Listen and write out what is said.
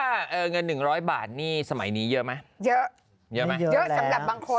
เยอะสำหรับบางคน